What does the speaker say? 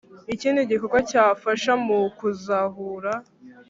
Ikindi gikorwa cyafasha mu kuzahura